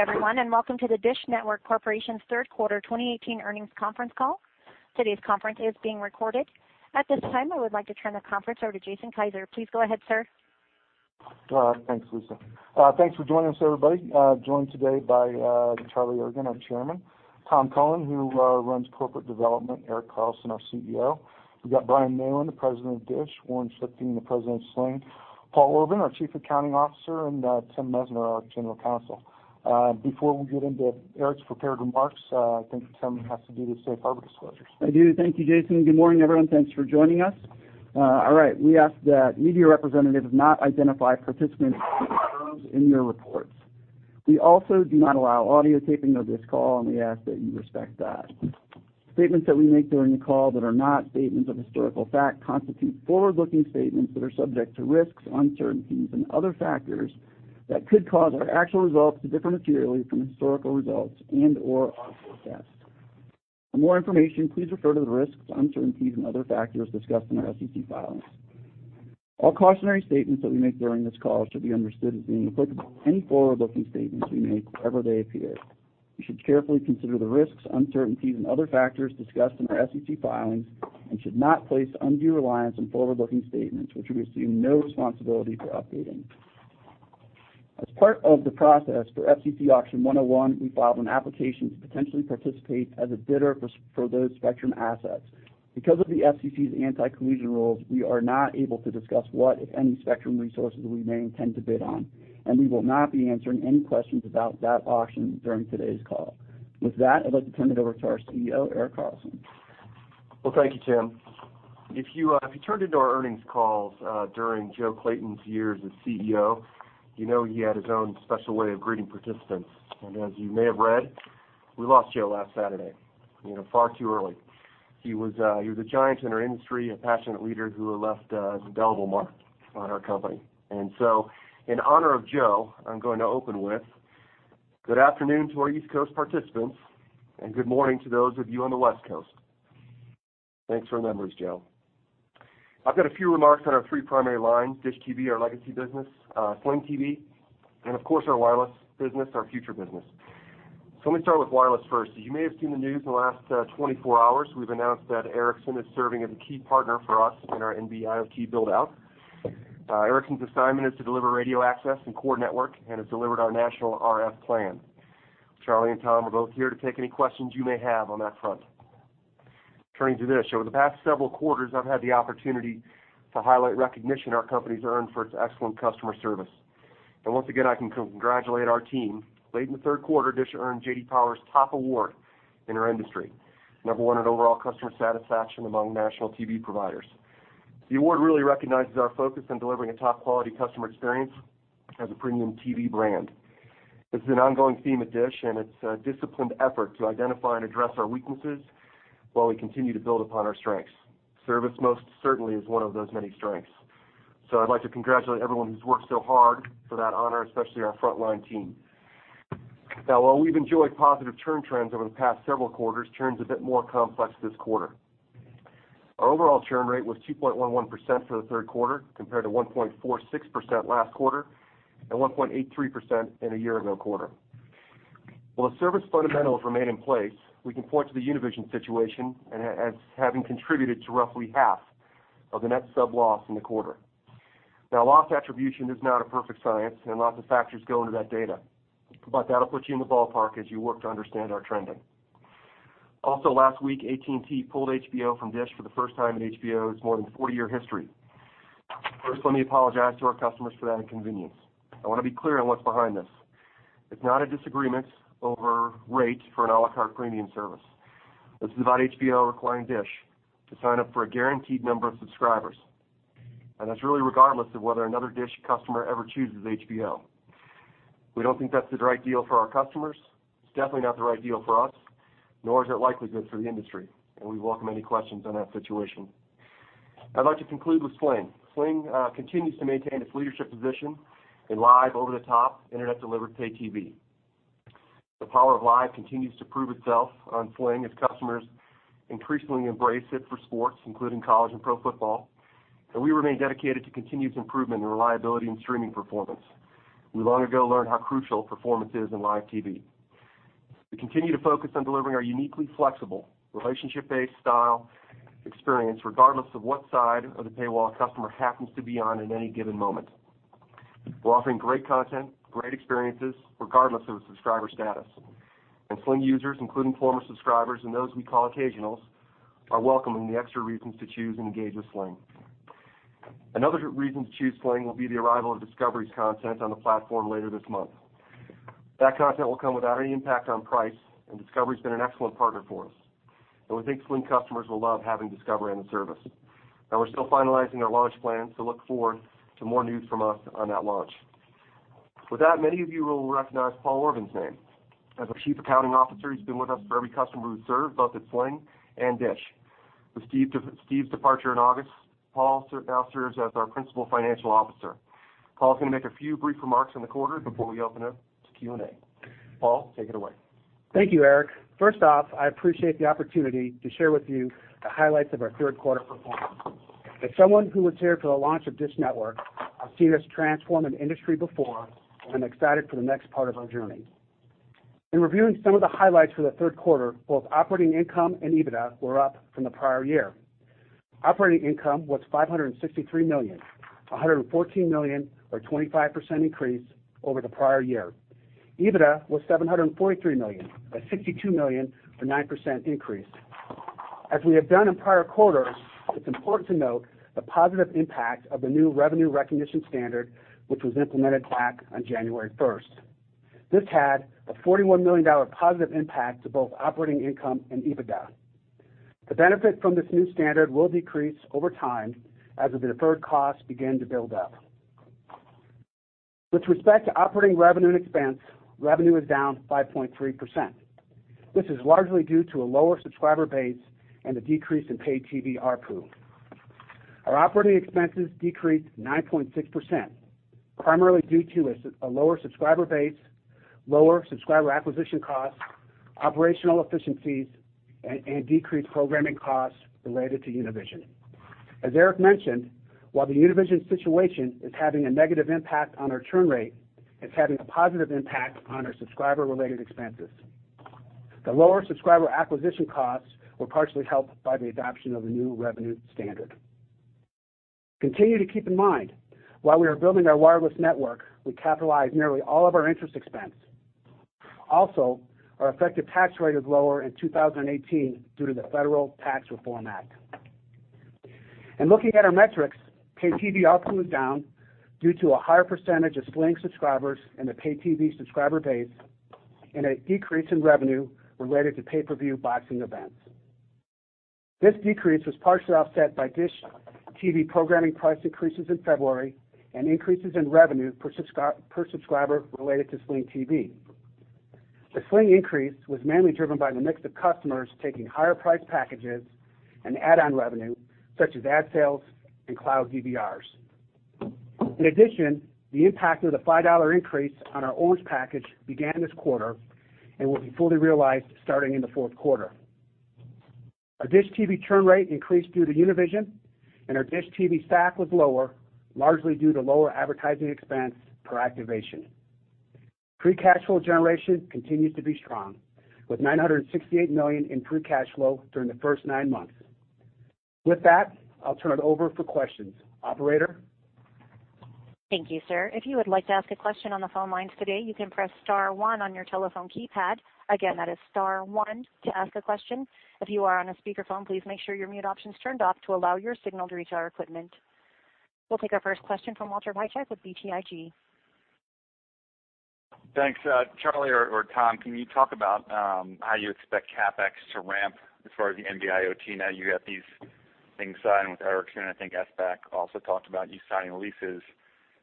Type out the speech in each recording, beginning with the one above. ood day everyone, welcome to the DISH Network Corporation's third quarter 2018 earnings conference call. Today's conference is being recorded. At this time, I would like to turn the conference over to Jason Kiser. Please go ahead, sir. Thanks, Lisa. Thanks for joining us everybody. joined today by Charlie Ergen, our Chairman, Tom Cullen, who runs Corporate Development, Erik Carlson, our CEO. We've got Brian Neylon, the President of DISH, Warren Schlichting, the President of Sling TV, Paul Orban, our Chief Accounting Officer, and Tim Messner, our General Counsel. Before we get into Erik's prepared remarks, I think Tim has to do the safe harbor disclosures. I do. Thank you, Jason. Good morning, everyone. Thanks for joining us. All right, we ask that media representatives not identify participants by names in your reports. We also do not allow audio taping of this call. We ask that you respect that. Statements that we make during the call that are not statements of historical fact constitute forward-looking statements that are subject to risks, uncertainties, and other factors that could cause our actual results to differ materially from historical results and/or our forecasts. For more information, please refer to the risks, uncertainties, and other factors discussed in our SEC filings. All cautionary statements that we make during this call should be understood as being applicable to any forward-looking statements we make wherever they appear. You should carefully consider the risks, uncertainties and other factors discussed in our SEC filings and should not place undue reliance on forward-looking statements, which we assume no responsibility for updating. As part of the process for FCC Auction 101, we filed an application to potentially participate as a bidder for those spectrum assets. Because of the FCC's anti-collusion rules, we are not able to discuss what, if any, spectrum resources we may intend to bid on, and we will not be answering any questions about that auction during today's call. With that, I'd like to turn it over to our CEO, Erik Carlson. Thank you, Tim. If you, if you tuned into our earnings calls, during Joe Clayton's years as CEO, you know he had his own special way of greeting participants. As you may have read, we lost Joe last Saturday, you know, far too early. He was, he was a giant in our industry, a passionate leader who left an indelible mark on our company. In honor of Joe, I'm going to open with: Good afternoon to our East Coast participants, and good morning to those of you on the West Coast. Thanks for the memories, Joe. I've got a few remarks on our three primary lines, DISH TV, our legacy business, Sling TV, and of course our wireless business, our future business. Let me start with wireless first. You may have seen the news in the last 24 hours. We've announced that Ericsson is serving as a key partner for us in our NB-IoT build-out. Ericsson's assignment is to deliver radio access and core network and has delivered our national RF plan. Charlie and Tom are both here to take any questions you may have on that front. Turning to DISH. Over the past several quarters, I've had the opportunity to highlight recognition our company's earned for its excellent customer service. Once again, I can congratulate our team. Late in the third quarter, DISH earned J.D. Power's top award in our industry, number one in overall customer satisfaction among national TV providers. The award really recognizes our focus on delivering a top-quality customer experience as a premium TV brand. This is an ongoing theme at DISH, it's a disciplined effort to identify and address our weaknesses while we continue to build upon our strengths. Service most certainly is one of those many strengths. I'd like to congratulate everyone who's worked so hard for that honor, especially our frontline team. While we've enjoyed positive churn trends over the past several quarters, churn's a bit more complex this quarter. Our overall churn rate was 2.11% for the third quarter, compared to 1.46% last quarter and 1.83% in a year-ago quarter. While the service fundamentals remain in place, we can point to the Univision situation as having contributed to roughly half of the net sub-loss in the quarter. Loss attribution is not a perfect science and lots of factors go into that data, but that'll put you in the ballpark as you work to understand our trending. Last week, AT&T pulled HBO from DISH for the first time in HBO's more than 40-year history. First, let me apologize to our customers for that inconvenience. I wanna be clear on what's behind this. It's not a disagreement over rate for an a la carte premium service. This is about HBO requiring DISH to sign up for a guaranteed number of subscribers. That's really regardless of whether another DISH customer ever chooses HBO. We don't think that's the right deal for our customers. It's definitely not the right deal for us, nor is it likely good for the industry, and we welcome any questions on that situation. I'd like to conclude with Sling TV. Sling TV continues to maintain its leadership position in live over-the-top internet-delivered pay TV. The power of live continues to prove itself on Sling TV as customers increasingly embrace it for sports, including college and pro football, and we remain dedicated to continuous improvement in reliability and streaming performance. We long ago learned how crucial performance is in live TV. We continue to focus on delivering our uniquely flexible relationship-based style experience, regardless of what side of the paywall a customer happens to be on at any given moment. We're offering great content, great experiences, regardless of a subscriber status. Sling TV users, including former subscribers and those we call occasionals, are welcoming the extra reasons to choose and engage with Sling TV. Another reason to choose Sling TV will be the arrival of Discovery's content on the platform later this month. That content will come without any impact on price, and Discovery's been an excellent partner for us. We think Sling TV customers will love having Discovery in the service. We're still finalizing our launch plans, so look forward to more news from us on that launch. With that, many of you will recognize Paul Orban's name. As our Chief Accounting Officer, he's been with us for every customer we've served, both at Sling TV and DISH. With Steve's departure in August, Paul now serves as our Principal Financial Officer. Paul's gonna make a few brief remarks on the quarter before we open up to Q&A. Paul, take it away. Thank you, Erik. First off, I appreciate the opportunity to share with you the highlights of our third quarter performance. As someone who was here for the launch of DISH Network, I've seen us transform an industry before, and I'm excited for the next part of our journey. In reviewing some of the highlights for the third quarter, both operating income and EBITDA were up from the prior year. Operating income was $563 million, $114 million or 25% increase over the prior year. EBITDA was $743 million, $62 million or 9% increase. As we have done in prior quarters, it's important to note the positive impact of the new revenue recognition standard, which was implemented back on January 1st. This had a $41 million positive impact to both operating income and EBITDA. The benefit from this new standard will decrease over time as the deferred costs begin to build up. With respect to operating revenue and expense, revenue is down 5.3%. This is largely due to a lower subscriber base and a decrease in paid TV ARPU. Our operating expenses decreased 9.6%, primarily due to a lower subscriber base, lower subscriber acquisition costs, operational efficiencies and decreased programming costs related to Univision. As Erik mentioned, while the Univision situation is having a negative impact on our churn rate, it's having a positive impact on our subscriber-related expenses. The lower subscriber acquisition costs were partially helped by the adoption of the new revenue standard. Continue to keep in mind, while we are building our wireless network, we capitalize nearly all of our interest expense. Our effective tax rate is lower in 2018 due to the Federal Tax Reform Act. In looking at our metrics, pay TV ARPU was down due to a higher percentage of Sling TV subscribers in the pay TV subscriber base and a decrease in revenue related to pay-per-view boxing events. This decrease was partially offset by DISH TV programming price increases in February and increases in revenue per subscriber related to Sling TV. The Sling TV increase was mainly driven by the mix of customers taking higher priced packages and add-on revenue such as ad sales and cloud DVRs. In addition, the impact of the $5 increase on our Orange package began this quarter and will be fully realized starting in the fourth quarter. Our DISH TV churn rate increased due to Univision, and our DISH TV SAC was lower, largely due to lower advertising expense per activation. Free cash flow generation continues to be strong, with $968 million in free cash flow during the first nine months. With that, I'll turn it over for questions. Operator? Thank you, sir. If you would like to ask a question on the phone lines today, you can press star one on your telephone keypad. Again, that is star one to ask a question. If you are on a speakerphone, please make sure your mute option's turned off to allow your signal to reach our equipment. We'll take our first question from Walter Piecyk with BTIG. Thanks. Charlie or Tom, can you talk about how you expect CapEx to ramp as far as the NB-IoT? Now you have these things signed with Ericsson, I think SBA Communications also talked about you signing leases.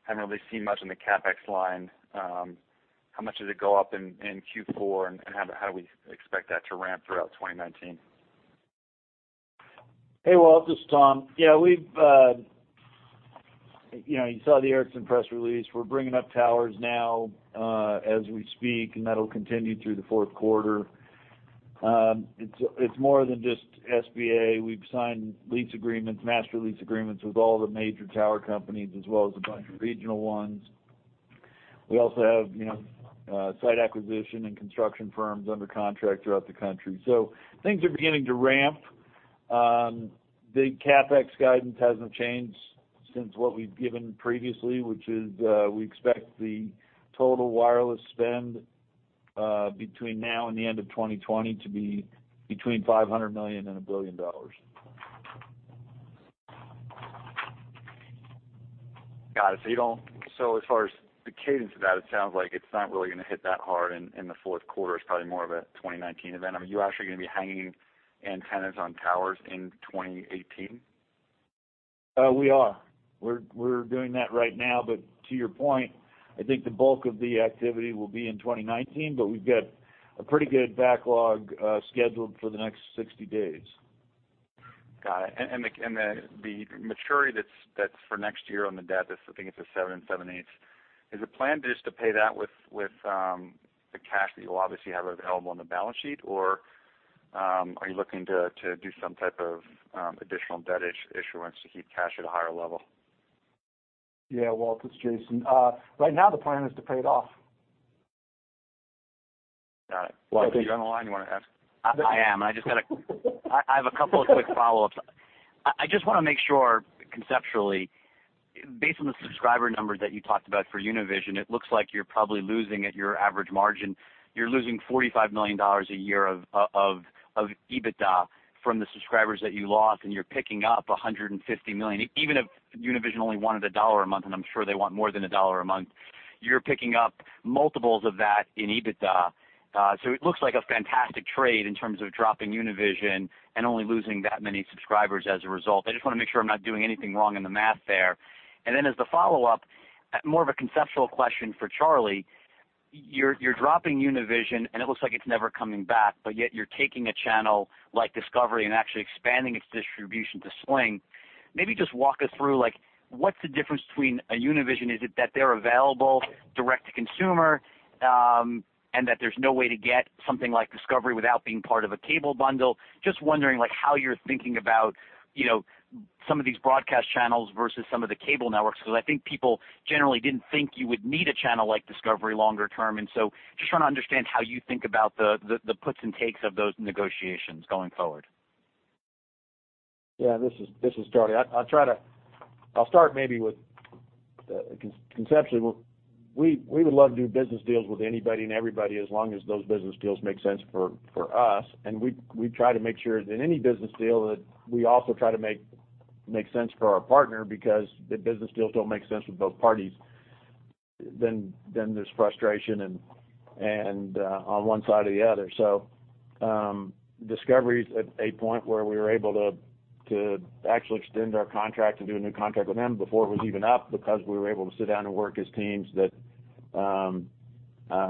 Haven't really seen much in the CapEx line. How much does it go up in Q4 and how do we expect that to ramp throughout 2019? Hey, Walt, this is Tom. We've, you know, you saw the Ericsson press release. We're bringing up towers now, as we speak, and that'll continue through the fourth quarter. It's more than just SBA. We've signed lease agreements, master lease agreements with all the major tower companies as well as a bunch of regional ones. We also have, you know, site acquisition and construction firms under contract throughout the country. Things are beginning to ramp. The CapEx guidance hasn't changed since what we've given previously, which is, we expect the total wireless spend between now and the end of 2020 to be between $500 million and $1 billion. Got it. As far as the cadence of that, it sounds like it's not really gonna hit that hard in the fourth quarter. It's probably more of a 2019 event. I mean, are you actually gonna be hanging antennas on towers in 2018? We are. We're doing that right now. To your point, I think the bulk of the activity will be in 2019, but we've got a pretty good backlog scheduled for the next 60 days. Got it. The maturity that's for next year on the debt, I think it's a seven and seven eighths. Is the plan just to pay that with the cash that you'll obviously have available on the balance sheet? Are you looking to do some type of additional debt issuance to keep cash at a higher level? Yeah, Walt, it's Jason. Right now the plan is to pay it off. Got it. Walt, you on the line? You wanna ask? I am. I just have a couple of quick follow-ups. I just want to make sure conceptually, based on the subscriber numbers that you talked about for Univision, it looks like you're probably losing at your average margin. You're losing $45 million a year of EBITDA from the subscribers that you lost, and you're picking up $150 million. Even if Univision only wanted $1 a month, and I'm sure they want more than $1 a month, you're picking up multiples of that in EBITDA. It looks like a fantastic trade in terms of dropping Univision and only losing that many subscribers as a result. I just want to make sure I'm not doing anything wrong in the math there. As the follow-up, more of a conceptual question for Charlie. You're dropping Univision, and it looks like it's never coming back, but yet you're taking a channel like Discovery and actually expanding its distribution to Sling TV. Maybe just walk us through, like, what's the difference between a Univision? Is it that they're available direct to consumer, and that there's no way to get something like Discovery without being part of a cable bundle? Just wondering, like, how you're thinking about, you know, some of these broadcast channels versus some of the cable networks, because I think people generally didn't think you would need a channel like Discovery longer term. Just trying to understand how you think about the puts and takes of those negotiations going forward. Yeah. This is Charlie. I'll start maybe with conceptually. We would love to do business deals with anybody and everybody as long as those business deals make sense for us. We try to make sure that in any business deal that we also try to make sense for our partner because if business deals don't make sense with both parties, there's frustration on one side or the other. Discovery's at a point where we were able to actually extend our contract and do a new contract with them before it was even up, because we were able to sit down and work as teams that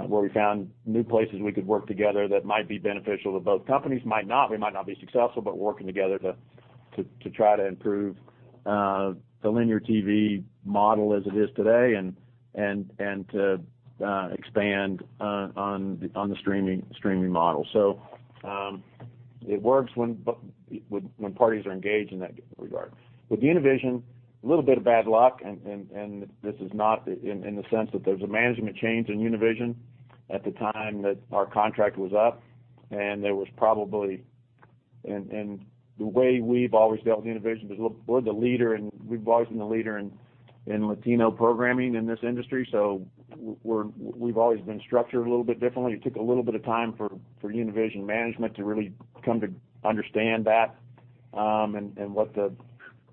where we found new places we could work together that might be beneficial to both companies. Might not, we might not be successful, but working together to try to improve the linear TV model as it is today and to expand on the streaming model. It works when parties are engaged in that regard. With Univision, a little bit of bad luck and this is not in the sense that there's a management change in Univision at the time that our contract was up. The way we've always dealt with Univision is look, we're the leader and we've always been the leader in Latino programming in this industry, so we've always been structured a little bit differently. It took a little bit of time for Univision management to really come to understand that and what the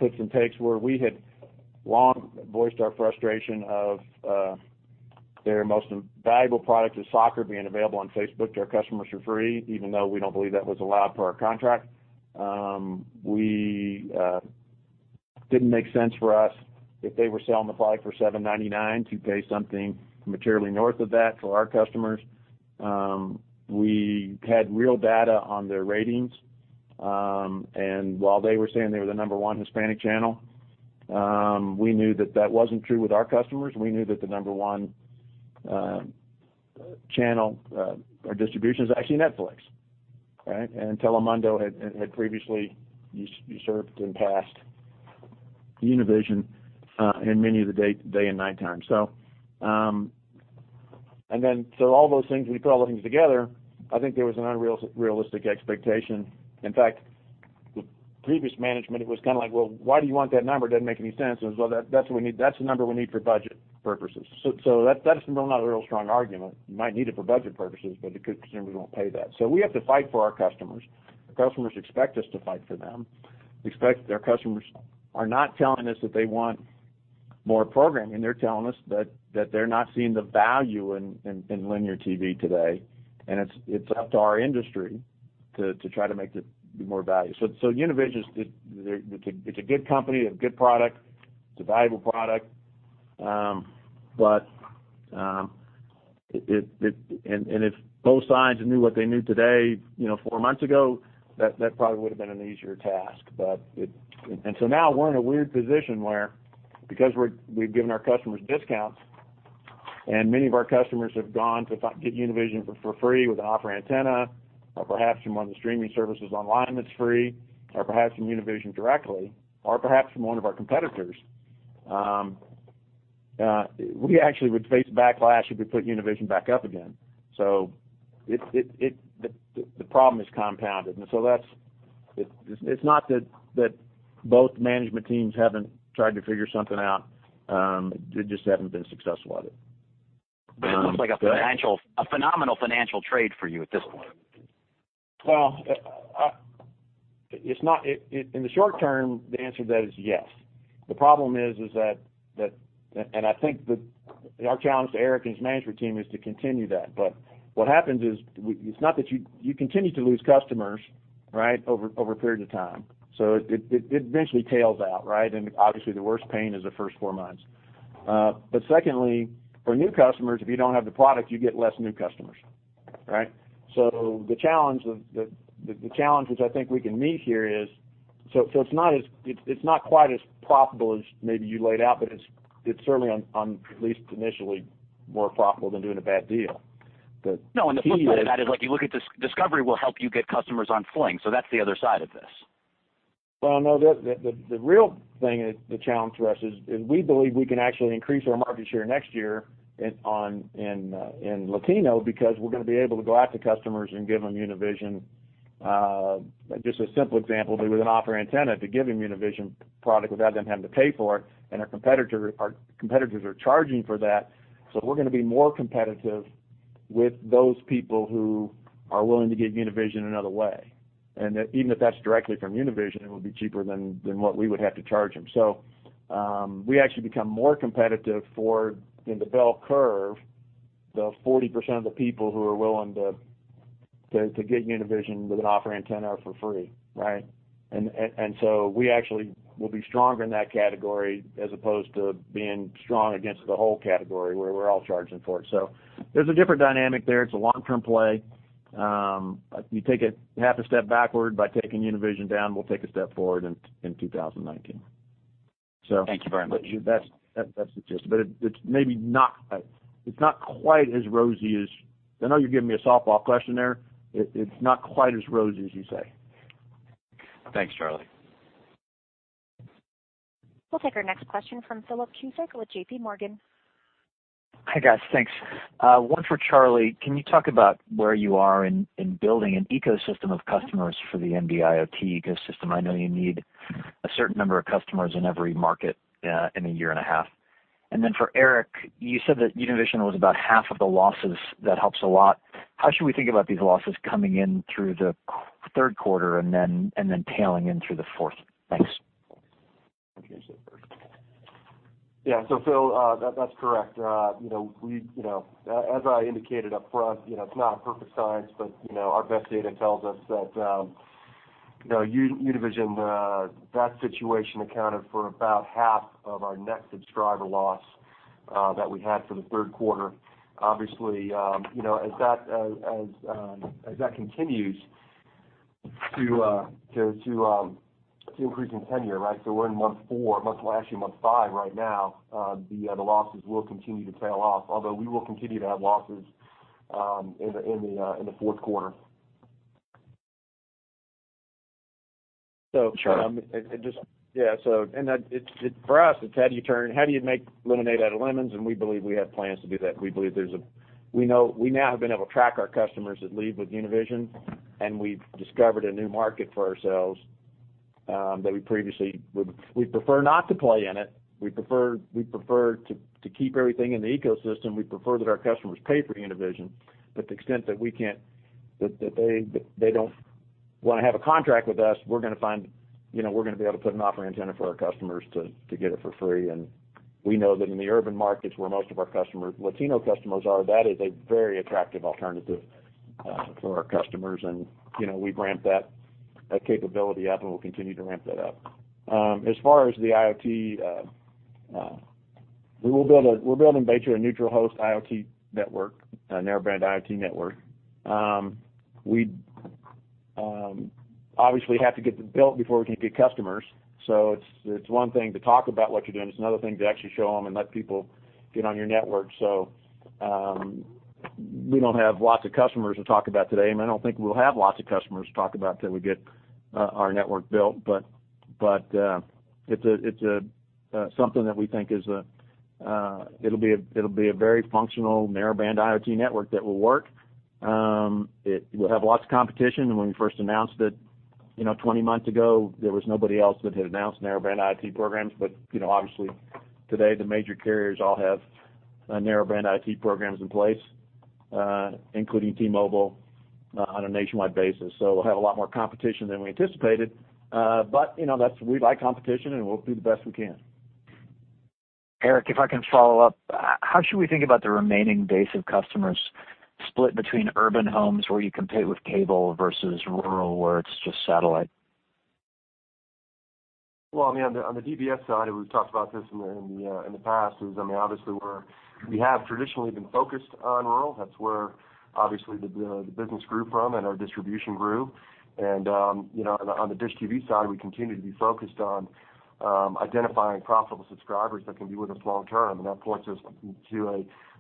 puts and takes were. We had long voiced our frustration of their most valuable product is soccer being available on Facebook to our customers for free, even though we don't believe that was allowed per our contract. We didn't make sense for us if they were selling the product for $7.99 to pay something materially north of that for our customers. We had real data on their ratings, and while they were saying they were the number one Hispanic channel, we knew that that wasn't true with our customers. We knew that the number one channel or distribution is actually Netflix, right? Telemundo had previously usurped in past Univision in many of the day and nighttime. All those things, when you put all those things together, I think there was an unrealistic expectation. In fact, the previous management, it was kind of like, "Well, why do you want that number? It doesn't make any sense." We said, "Well, that's what we need. That's the number we need for budget purposes." That's not a real strong argument. You might need it for budget purposes, but the consumers won't pay that. We have to fight for our customers. The customers expect us to fight for them. Expect their customers are not telling us that they want more programming. They're telling us that they're not seeing the value in linear TV today, and it's up to our industry to try to make the more value. Univision's a good company, a good product. It's a valuable product. It and if both sides knew what they knew today, you know, four months ago, that probably would have been an easier task. Now we're in a weird position where because we've given our customers discounts and many of our customers have gone to get Univision for free with an off-air antenna or perhaps from one of the streaming services online that's free, or perhaps from Univision directly, or perhaps from one of our competitors, we actually would face backlash if we put Univision back up again. The problem is compounded. It's not that both management teams haven't tried to figure something out, they just haven't been successful at it. It looks like a phenomenal financial trade for you at this point. It's not in the short term, the answer to that is yes. The problem is that our challenge to Erik and his management team is to continue that. What happens is it's not that you continue to lose customers, right, over a period of time. It eventually tails out, right? Obviously, the worst pain is the first four months. Secondly, for new customers, if you don't have the product, you get less new customers, right? The challenge of the challenge which I think we can meet here is it's not quite as profitable as maybe you laid out, but it's certainly at least initially, more profitable than doing a bad deal. No, the flip side of that is, like you look at this, Discovery will help you get customers on Sling TV. That's the other side of this. Well, the real thing is, the challenge for us is, we believe we can actually increase our market share next year in Latino, because we're gonna be able to go after customers and give them Univision. Just a simple example, there was an offer antenna to give them Univision product without them having to pay for it, and our competitors are charging for that. We're gonna be more competitive with those people who are willing to give Univision another way. Even if that's directly from Univision, it would be cheaper than what we would have to charge them. We actually become more competitive for, in the bell curve, the 40% of the people who are willing to get Univision with an offering antenna for free, right? We actually will be stronger in that category as opposed to being strong against the whole category where we're all charging for it. There's a different dynamic there. It's a long-term play. You take it half a step backward by taking Univision down, we'll take a step forward in 2019. Thank you very much. That's, that's it. It's not quite as rosy as I know you're giving me a softball question there. It's not quite as rosy as you say. Thanks, Charlie. We'll take our next question from Philip Cusick with JPMorgan. Hi, guys. Thanks. One for Charlie. Can you talk about where you are in building an ecosystem of customers for the NB-IoT ecosystem? I know you need a certain number of customers in every market in a year and a half. For Erik, you said that Univision was about half of the losses. That helps a lot. How should we think about these losses coming in through the third quarter and tailing in through the fourth? Thanks. Yeah. Phil, that's correct. You know, we, you know, as I indicated upfront, you know, it's not a perfect science, but, you know, our best data tells us that, you know, Univision, that situation accounted for about half of our net subscriber loss that we had for the third quarter. Obviously, you know, as that continues to increase in tenure, right? We're in month four. Well, actually month five right now. The losses will continue to trail off, although we will continue to have losses in the fourth quarter. So, um, it just- Sure. Yeah, for us, it's how do you make lemonade out of lemons? We believe we have plans to do that. We believe we now have been able to track our customers that leave with Univision, and we've discovered a new market for ourselves that we previously prefer not to play in it. We prefer to keep everything in the ecosystem. We prefer that our customers pay for Univision. The extent that they don't wanna have a contract with us, we're gonna find, you know, we're gonna be able to put an offering antenna for our customers to get it for free. We know that in the urban markets where most of our customers, Latino customers are, that is a very attractive alternative for our customers. You know, we've ramped that capability up, and we'll continue to ramp that up. As far as the IoT, we're building basically a neutral host IoT network, a Narrowband IoT network. We obviously have to get it built before we can get customers. It's one thing to talk about what you're doing, it's another thing to actually show them and let people get on your network. We don't have lots of customers to talk about today, and I don't think we'll have lots of customers to talk about till we get our network built. it's a, it's a, something that we think is a, it'll be a, it'll be a very functional Narrowband IoT network that will work. It will have lots of competition. When we first announced it, you know, 20 months ago, there was nobody else that had announced Narrowband IoT programs. You know, obviously, today, the major carriers all have a Narrowband IoT programs in place, including T-Mobile, on a nationwide basis. We'll have a lot more competition than we anticipated. You know, that's we like competition, and we'll do the best we can. Erik, if I can follow up. How should we think about the remaining base of customers split between urban homes where you compete with cable versus rural, where it's just satellite? Well, I mean, on the DBS side, and we've talked about this in the past, is, I mean, obviously we have traditionally been focused on rural. That's where obviously the business grew from and our distribution grew. You know, on the DISH TV side, we continue to be focused on identifying profitable subscribers that can be with us long term. That points us to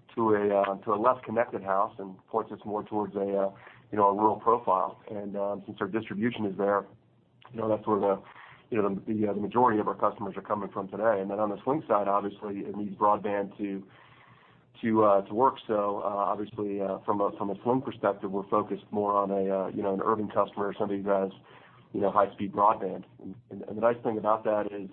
a less connected house and points us more towards a, you know, a rural profile. Since our distribution is there, you know, that's where the majority of our customers are coming from today. Then on the Sling TV side, obviously it needs broadband to work. Obviously, from a Sling TV perspective, we're focused more on a, you know, an urban customer or somebody who has, you know, high speed broadband. The nice thing about that is,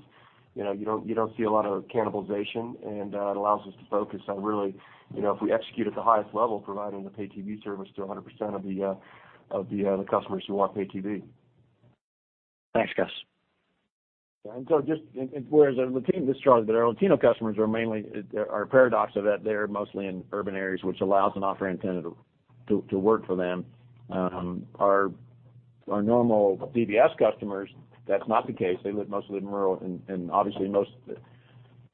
you know, you don't see a lot of cannibalization and it allows us to focus on really, you know, if we execute at the highest level, providing the pay TV service to 100% of the customers who want pay TV. Thanks, guys. This is Charlie. Our Latino customers are a paradox of that. They are mostly in urban areas, which allows an offering antenna to work for them. Our normal DBS customers, that's not the case. They live mostly in rural and obviously most of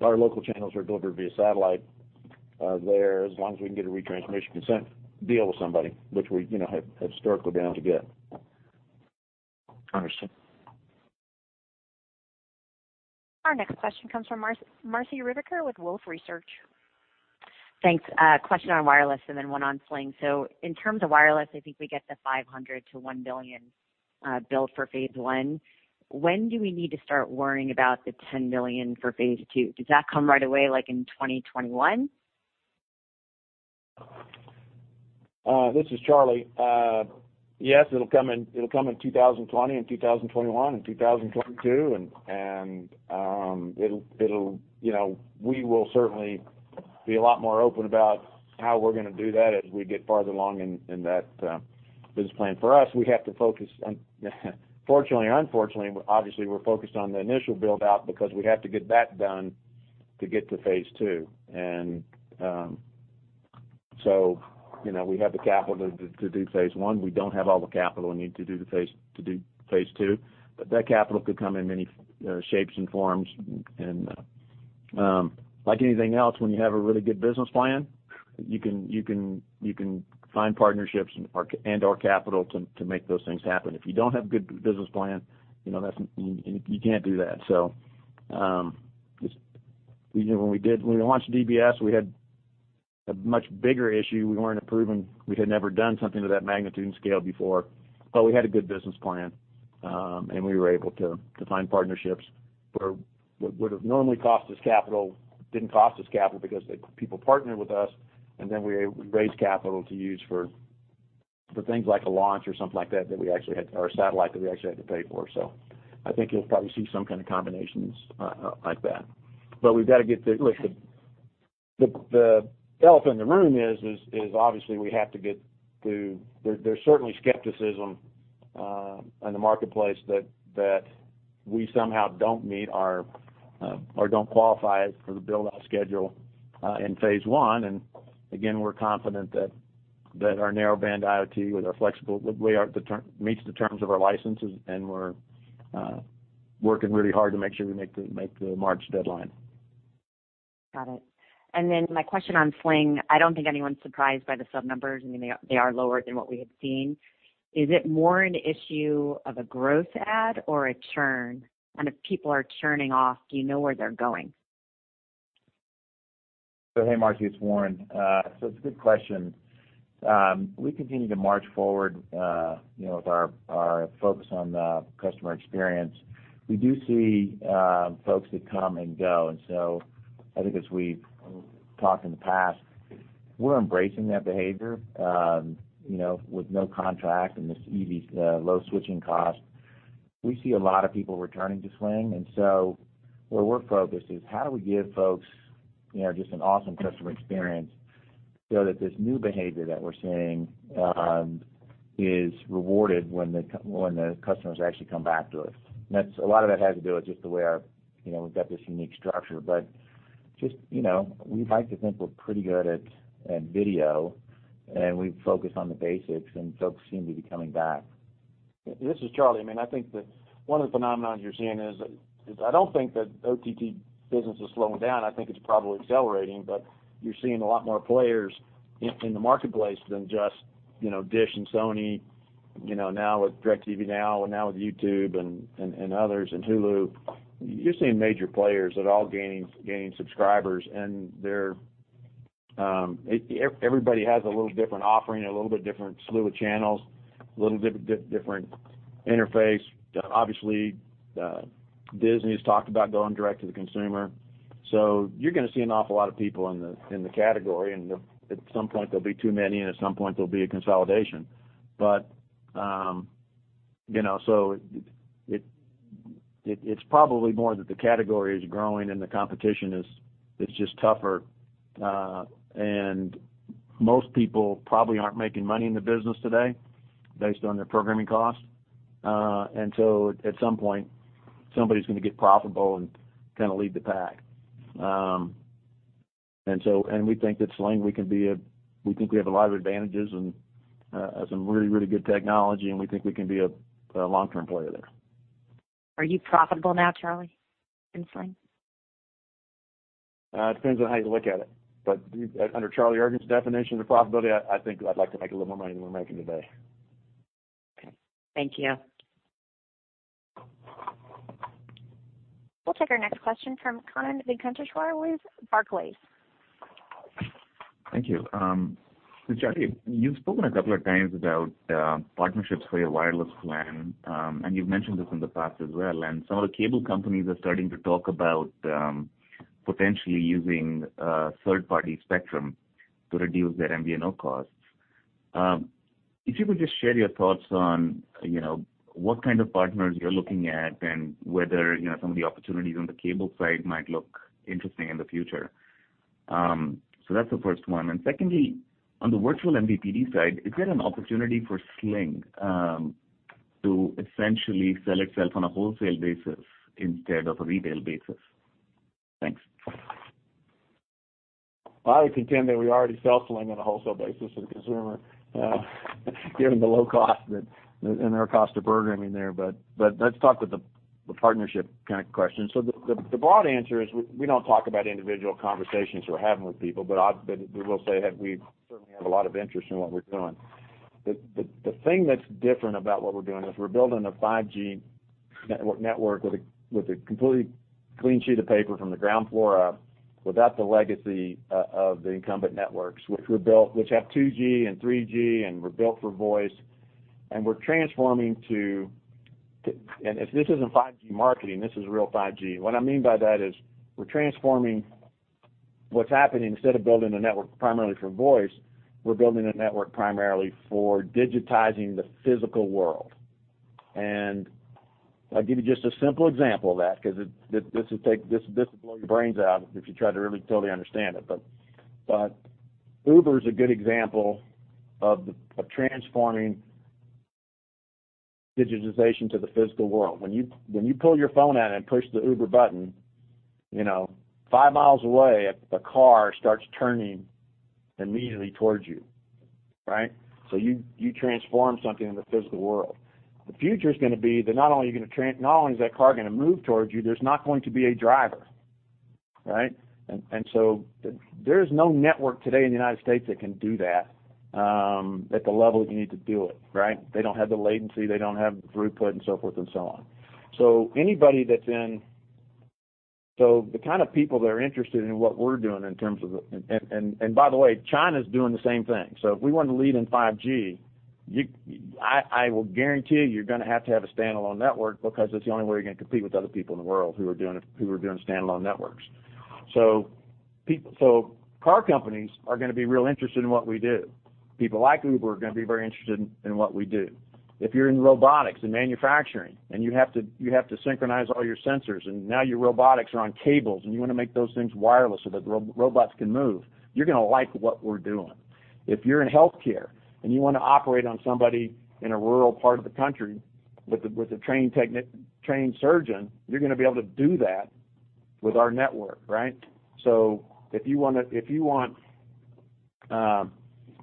our local channels are delivered via satellite there, as long as we can get a retransmission consent deal with somebody, which we, you know, have historically been able to get. Understood. Our next question comes from Marci Ryvicker with Wolfe Research. Thanks. A question on wireless and then one on Sling TV. In terms of wireless, I think we get the $500 million-$1 billion build for Phase 1. When do we need to start worrying about the $10 million for Phase 2? Does that come right away, like in 2021? This is Charlie. Yes, it'll come in 2020 and 2021 and 2022. You know, we will certainly be a lot more open about how we're gonna do that as we get farther along in that business plan. For us, we have to focus on Fortunately or unfortunately, obviously we're focused on the initial build-out because we have to get that done to get to Phase 2. You know, we have the capital to do Phase 1. We don't have all the capital we need to do Phase 2, but that capital could come in many shapes and forms. Like anything else, when you have a really good business plan, you can find partnerships and/or capital to make those things happen. If you don't have a good business plan, you know, you can't do that. Just, you know, when we launched DBS, we had a much bigger issue. We weren't proven. We had never done something of that magnitude and scale before, but we had a good business plan, and we were able to find partnerships where what would have normally cost us capital didn't cost us capital because people partnered with us, and then we raised capital to use for things like a launch or something like that, or a satellite that we actually had to pay for. I think you'll probably see some kind of combinations like that. We've got to get the elephant in the room is obviously we have to get through. There's certainly skepticism in the marketplace that we somehow don't meet our or don't qualify for the build-out schedule in phase one. Again, we're confident that our Narrowband IoT, with our flexible meets the terms of our licenses, and we're working really hard to make sure we make the March deadline. Got it. My question on Sling TV. I don't think anyone's surprised by the sub numbers. I mean, they are lower than what we had seen. Is it more an issue of a gross add or a churn? If people are churning off, do you know where they're going? Hey, Marci, it's Warren. It's a good question. We continue to march forward, you know, with our focus on the customer experience. We do see folks that come and go. I think as we've talked in the past, we're embracing that behavior. You know, with no contract and this easy, low switching cost, we see a lot of people returning to Sling TV. Where we're focused is how do we give folks, you know, just an awesome customer experience so that this new behavior that we're seeing is rewarded when the customers actually come back to us. A lot of it has to do with just the way our, you know, we've got this unique structure, but just, you know, we like to think we're pretty good at video, and we focus on the basics, and folks seem to be coming back. This is Charlie. I mean, I think one of the phenomenons you're seeing is I don't think that OTT business is slowing down. I think it's probably accelerating. You're seeing a lot more players in the marketplace than just, you know, DISH and Sony, you know, now with DIRECTV NOW, and now with YouTube and others, and Hulu. You're seeing major players that are all gaining subscribers, and they're everybody has a little different offering, a little bit different slew of channels, a little bit different interface. Obviously, Disney's talked about going direct to the consumer. You're gonna see an awful lot of people in the category, and at some point, there'll be too many, and at some point there'll be a consolidation. You know, it's probably more that the category is growing and the competition is just tougher. Most people probably aren't making money in the business today based on their programming costs. At some point, somebody's gonna get profitable and kinda lead the pack. We think at Sling TV, we think we have a lot of advantages and some really, really good technology, and we think we can be a long-term player there. Are you profitable now, Charlie, in Sling TV? It depends on how you look at it. Under Charlie Ergen's definition of profitability, I think I'd like to make a little more money than we're making today. Okay. Thank you. We'll take our next question from Kannan Venkateshwar with Barclays. Thank you. Charlie, you've spoken a couple of times about partnerships for your wireless plan. You've mentioned this in the past as well. Some of the cable companies are starting to talk about potentially using third-party spectrum to reduce their MVNO costs. If you could just share your thoughts on, you know, what kind of partners you're looking at and whether, you know, some of the opportunities on the cable side might look interesting in the future. That's the first one. Secondly, on the virtual MVPD side, is there an opportunity for Sling TV to essentially sell itself on a wholesale basis instead of a retail basis? Thanks. I would contend that we already sell Sling TV on a wholesale basis to the consumer, given the low cost and our cost of programming there. Let's talk with the partnership kind of question. The broad answer is we don't talk about individual conversations we're having with people, but we will say, we certainly have a lot of interest in what we're doing. The thing that's different about what we're doing is we're building a 5G network with a completely clean sheet of paper from the ground floor up, without the legacy of the incumbent networks, which have 2G and 3G and were built for voice, and we're transforming to. This isn't 5G marketing. This is real 5G. What I mean by that is we're transforming what's happening. Instead of building a network primarily for voice, we're building a network primarily for digitizing the physical world. I'll give you just a simple example of that because this will blow your brains out if you try to really fully understand it. Uber is a good example of transforming digitization to the physical world. When you pull your phone out and push the Uber button, you know, 5 mi away a car starts turning immediately towards you, right? You transform something in the physical world. The future is going to be that not only is that car going to move towards you, there's not going to be a driver, right? There is no network today in the United States that can do that at the level you need to do it, right? They don't have the latency, they don't have the throughput and so forth and so on. By the way, China's doing the same thing. If we wanna lead in 5G, I will guarantee you're gonna have to have a standalone network because that's the only way you're gonna compete with other people in the world who are doing it, who are doing standalone networks. Car companies are gonna be real interested in what we do. People like Uber are gonna be very interested in what we do. If you're in robotics and manufacturing, you have to synchronize all your sensors, and now your robotics are on cables, and you wanna make those things wireless so that robots can move, you're gonna like what we're doing. If you're in healthcare and you wanna operate on somebody in a rural part of the country with a trained surgeon, you're gonna be able to do that with our network, right? If you wanna, if you want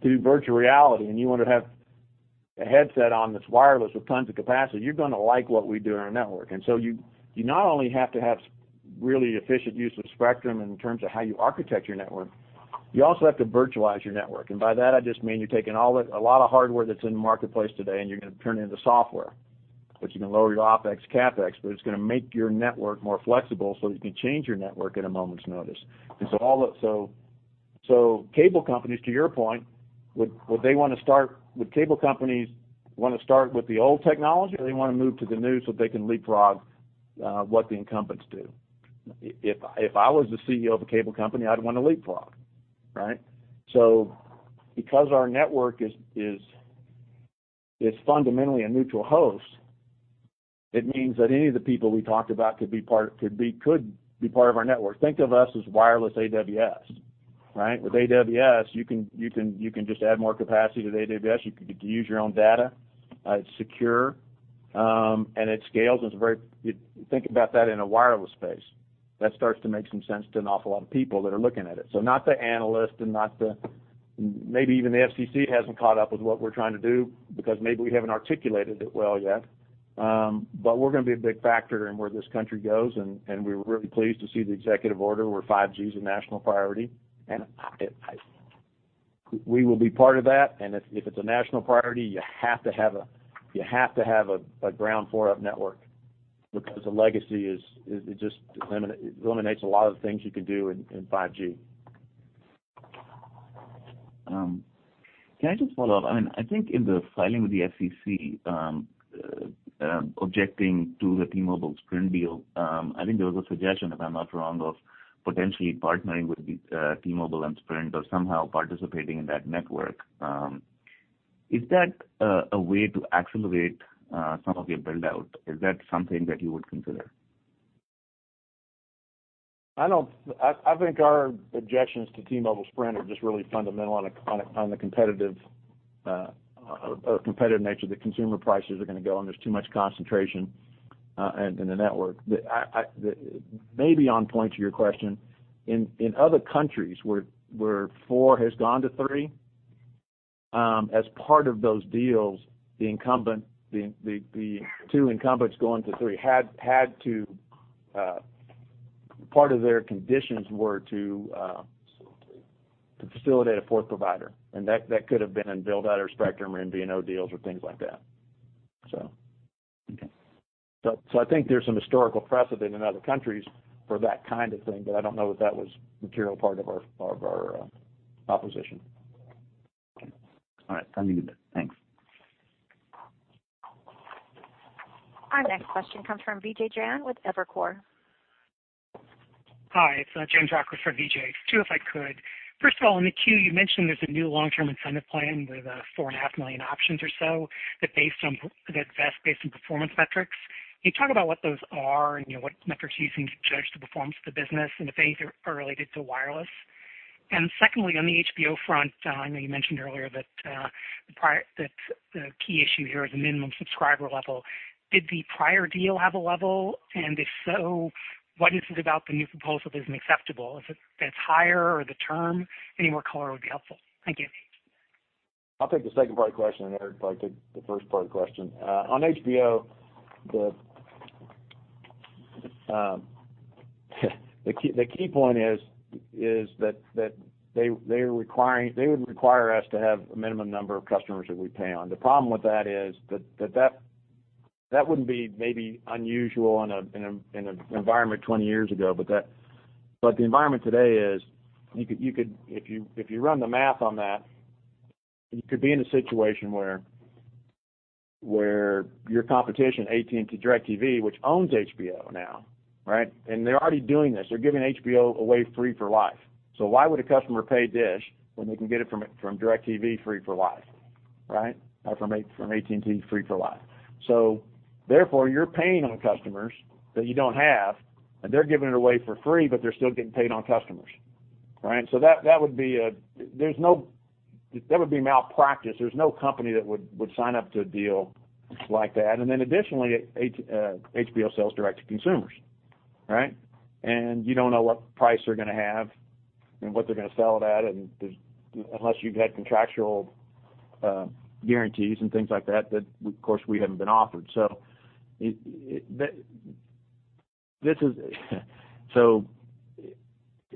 to do virtual reality, and you want to have a headset on that's wireless with tons of capacity, you're gonna like what we do in our network. You not only have to have really efficient use of spectrum in terms of how you architect your network, you also have to virtualize your network. By that, I just mean you're taking a lot of hardware that's in the marketplace today, and you're gonna turn it into software, which is gonna lower your OpEx, CapEx, but it's gonna make your network more flexible so that you can change your network at a moment's notice. All of cable companies, to your point, would cable companies wanna start with the old technology or they wanna move to the new so they can leapfrog, what the incumbents do? If I was the CEO of a cable company, I'd wanna leapfrog, right? Because our network is fundamentally a neutral host, it means that any of the people we talked about could be part of our network. Think of us as wireless AWS, right? With AWS, you can just add more capacity to the AWS, you could use your own data, it's secure, and it scales, and it's very. You think about that in a wireless space, that starts to make some sense to an awful lot of people that are looking at it. Not the analyst. Maybe even the FCC hasn't caught up with what we're trying to do because maybe we haven't articulated it well yet. We're gonna be a big factor in where this country goes, and we're really pleased to see the executive order where 5G is a national priority. We will be part of that, and if it's a national priority, you have to have a ground floor up network because the legacy is, it just eliminates a lot of the things you can do in 5G. Can I just follow up? I mean, I think in the filing with the FCC, objecting to the T-Mobile-Sprint deal, I think there was a suggestion, if I'm not wrong, of potentially partnering with the T-Mobile and Sprint or somehow participating in that network. Is that a way to accelerate some of your build-out? Is that something that you would consider? I don't think our objections to T-Mobile, Sprint are just really fundamental on the competitive nature that consumer prices are gonna go, and there's too much concentration in the network. Maybe on point to your question, in other countries where four has gone to three, as part of those deals, the two incumbents going to three had to part of their conditions were to facilitate a fourth provider. That could have been in build-out or spectrum or MVNO deals or things like that. Okay. I think there's some historical precedent in other countries for that kind of thing, but I don't know if that was a material part of our opposition. Okay. All right. Sounds good. Thanks. Our next question comes from Vijay Jayant with Evercore. Hi, it's James Ratcliffe for Vijay. Two, if I could. First of all, in the queue, you mentioned there's a new long-term incentive plan with 4.5 million options or so that vests based on performance metrics. Can you talk about what those are and, you know, what metrics you seem to judge the performance of the business and if any are related to wireless? Secondly, on the HBO front, I know you mentioned earlier that the key issue here is the minimum subscriber level. Did the prior deal have a level? If so, what is it about the new proposal that isn't acceptable? Is it that it's higher or the term? Any more color would be helpful. Thank you. I'll take the second part of the question, and Erik can probably take the first part of the question. On HBO, the key point is that they would require us to have a minimum number of customers that we pay on. The problem with that is that wouldn't be maybe unusual in a environment 20 years ago. The environment today is if you run the math on that, you could be in a situation where your competition, AT&T, DIRECTV, which owns HBO now, right? They're already doing this. They're giving HBO away free for life. Why would a customer pay DISH when they can get it from DIRECTV free for life, right? From AT&T free for life. Therefore, you're paying on customers that you don't have, and they're giving it away for free, but they're still getting paid on customers. Right? That would be malpractice. There's no company that would sign up to a deal like that. Additionally, HBO sells direct to consumers, right? You don't know what price they're gonna have and what they're gonna sell it at, unless you've had contractual guarantees and things like that of course we haven't been offered.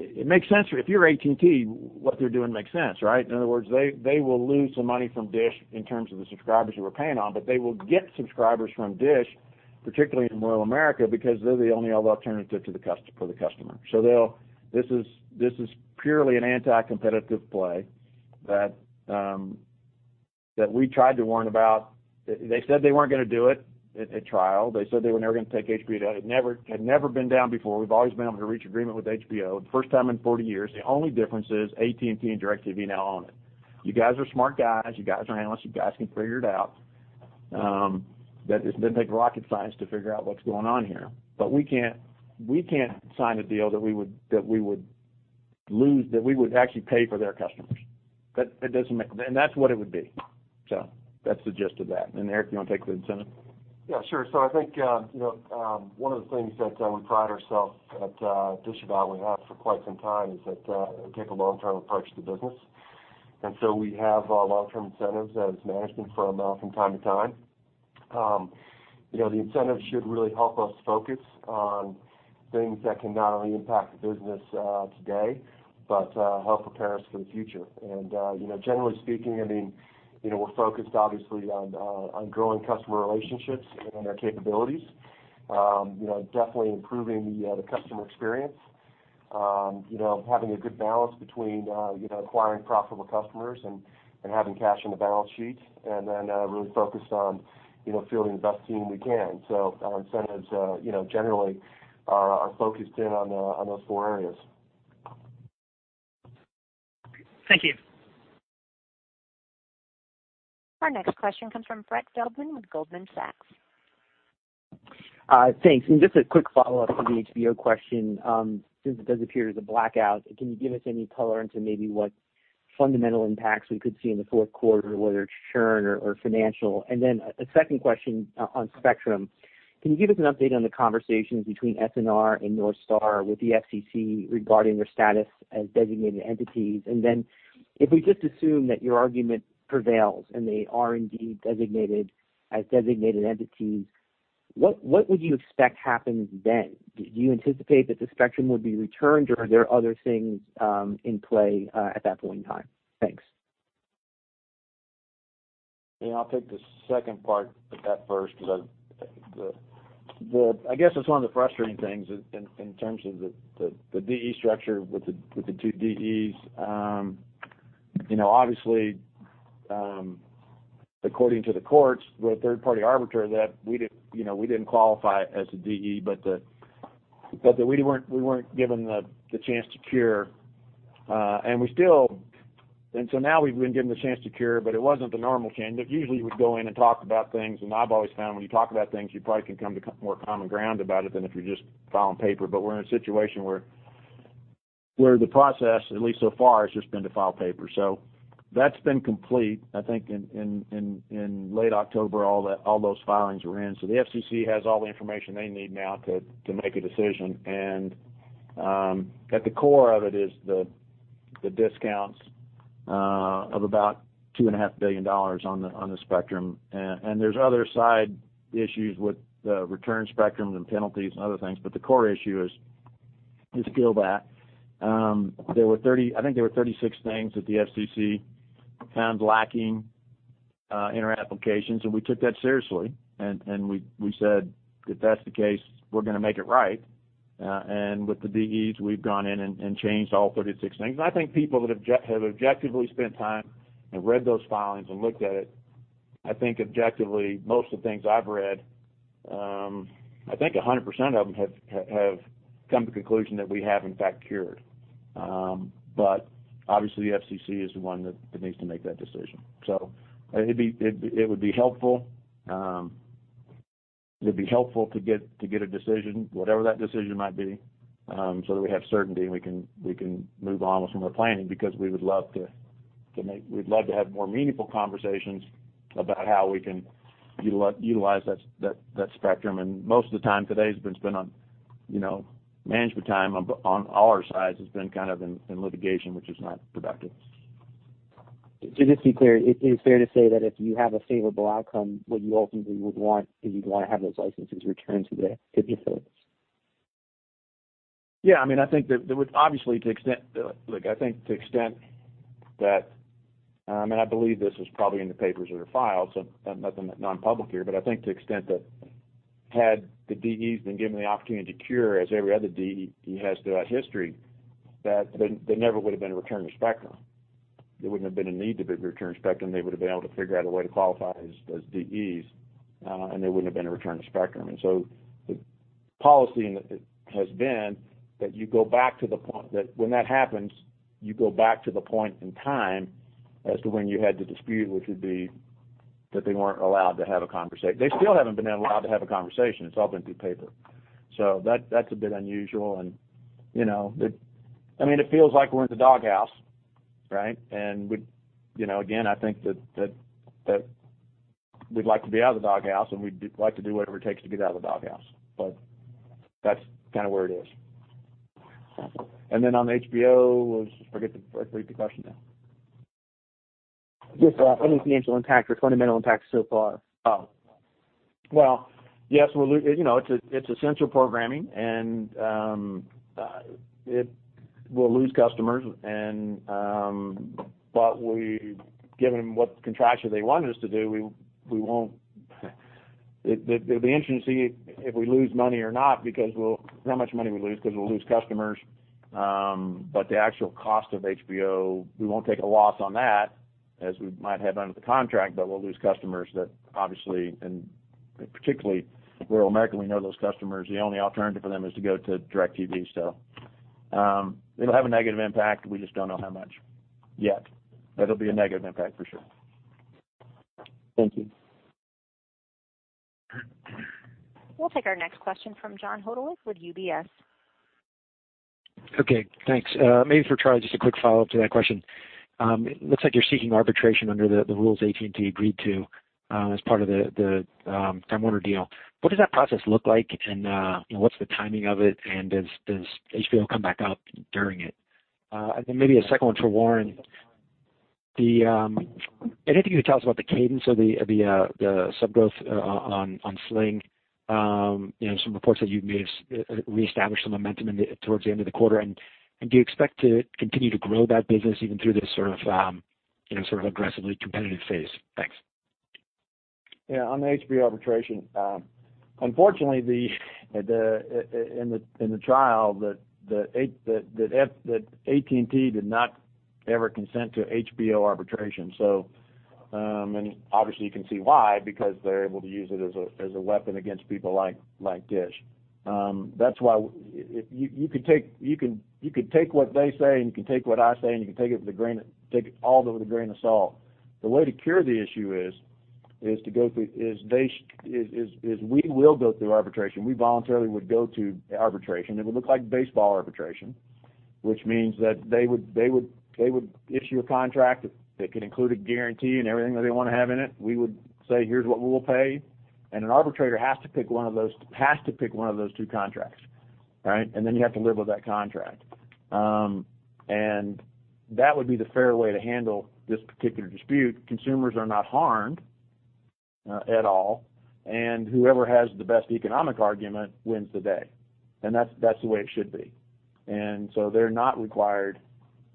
It makes sense. If you're AT&T, what they're doing makes sense, right? In other words, they will lose some money from DISH in terms of the subscribers who we're paying on, but they will get subscribers from DISH, particularly in rural America, because they're the only other alternative for the customer. This is purely an anti-competitive play that we tried to warn about. They said they weren't gonna do it at trial. They said they were never gonna take HBO down. It had never been down before. We've always been able to reach agreement with HBO, the first time in 40 years. The only difference is AT&T and DIRECTV now own it. You guys are smart guys. You guys are analysts. You guys can figure it out, that it doesn't take rocket science to figure out what's going on here. We can't sign a deal that we would actually pay for their customers. That's what it would be. That's the gist of that. Erik, you wanna take the incentive? Yeah, sure. I think, you know, one of the things that we pride ourselves at DISH about, we have for quite some time is that we take a long-term approach to the business. We have long-term incentives as management for from time to time. You know, the incentives should really help us focus on things that can not only impact the business today, but help prepare us for the future. You know, generally speaking, I mean, you know, we're focused obviously on growing customer relationships and our capabilities, you know, definitely improving the customer experience, you know, having a good balance between, acquiring profitable customers and having cash on the balance sheet, and then really focused on, you know, fielding the best team we can. Our incentives, you know, generally are focused in on those four areas. Thank you. Our next question comes from Brett Feldman with Goldman Sachs. Thanks. Just a quick follow-up to the HBO question, since it does appear there's a blackout, can you give us any color into maybe what fundamental impacts we could see in the fourth quarter, whether it's churn or financial? Then a second question on spectrum. Can you give us an update on the conversations between SNR and Northstar with the FCC regarding their status as Designated Entities? Then if we just assume that your argument prevails and they are indeed designated as Designated Entities, what would you expect happens then? Do you anticipate that the spectrum would be returned, or are there other things in play at that point in time? Thanks. Yeah, I'll take the second part of that first because I guess it's one of the frustrating things in terms of the DE structure with the two DEs. You know, obviously, according to the courts with a third-party arbiter that we didn't, you know, we didn't qualify as a DE, but we weren't given the chance to cure. Now we've been given the chance to cure, but it wasn't the normal change. It usually would go in and talk about things. I've always found when you talk about things, you probably can come to more common ground about it than if you're just filing paper. We're in a situation where the process, at least so far, has just been to file paper. That's been complete, I think, in late October, all that, all those filings were in. The FCC has all the information they need now to make a decision. At the core of it is the discounts, of about two and a half billion dollars on the spectrum. There's other side issues with the return spectrums and penalties and other things, but the core issue is still that. There were 36 things that the FCC found lacking in our applications, and we took that seriously. We said, "If that's the case, we're gonna make it right." With the DEs, we've gone in and changed all 36 things. I think people that have objectively spent time and read those filings and looked at it, I think objectively, most of the things I've read, I think 100% of them have come to conclusion that we have in fact cured. Obviously, the FCC is the one that needs to make that decision. It would be helpful, it'd be helpful to get a decision, whatever that decision might be, so that we have certainty and we can move on with some of our planning because we would love to, we'd love to have more meaningful conversations about how we can utilize that spectrum. Most of the time today has been spent on, you know, management time on all our sides has been kind of in litigation, which is not productive. To just be clear, is it fair to say that if you have a favorable outcome, what you ultimately would want is you'd wanna have those licenses returned to the affiliates? Yeah. I mean, I think that there was obviously, I think to extent that I believe this was probably in the papers that are filed, so nothing that non-public here. I think to extent that had the DEs been given the opportunity to cure as every other DE has throughout history, that there never would have been a return of spectrum. There wouldn't have been a need to be return spectrum. They would've been able to figure out a way to qualify as DEs, there wouldn't have been a return of spectrum. The policy has been that you go back to the point when that happens, you go back to the point in time as to when you had the dispute, which would be that they weren't allowed to have a conversation. They still haven't been allowed to have a conversation. It's all been through paper. That's a bit unusual. You know, I mean, it feels like we're in the doghouse, right? We, you know, again, I think that we'd like to be out of the doghouse, and we'd like to do whatever it takes to get out of the doghouse. That's kinda where it is. On HBO, we'll just forget I forget the question now. Just any financial impact or fundamental impact so far? Well, yes, you know, it's essential programming. We'll lose customers. Given what contraction they want us to do, we won't. It'll be interesting to see if we lose money or not because how much money we lose because we'll lose customers. The actual cost of HBO, we won't take a loss on that as we might have under the contract. We'll lose customers that obviously, and particularly rural American, we know those customers, the only alternative for them is to go to DIRECTV. It'll have a negative impact, we just don't know how much yet. It'll be a negative impact for sure. Thank you. We'll take our next question from John Hodulik with UBS. Okay, thanks. Maybe for Charlie, just a quick follow-up to that question. It looks like you're seeking arbitration under the rules AT&T agreed to as part of the Time Warner deal. What does that process look like? You know, what's the timing of it? Does HBO come back up during it? Then maybe a second one for Warren. Anything you can tell us about the cadence of the sub-growth on Sling TV? You know, some reports that you may have re-established some momentum towards the end of the quarter. Do you expect to continue to grow that business even through this sort of, you know, sort of aggressively competitive phase? Thanks. Yeah. On the HBO arbitration, unfortunately, in the trial that AT&T did not ever consent to HBO arbitration. Obviously you can see why, because they're able to use it as a weapon against people like DISH. That's why if you could take what they say, and you can take what I say, and you can take it all with a grain of salt. The way to cure the issue is we will go through arbitration. We voluntarily would go to arbitration. It would look like baseball arbitration, which means that they would issue a contract that could include a guarantee and everything that they wanna have in it. We would say, "Here's what we will pay." An arbitrator has to pick one of those two contracts, right? You have to live with that contract. That would be the fair way to handle this particular dispute. Consumers are not harmed at all, whoever has the best economic argument wins the day. That's the way it should be. They're not required